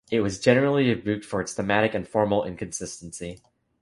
It was generally rebuked for its thematic and formal inconsistency.